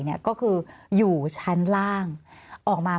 มีความรู้สึกว่าเสียใจ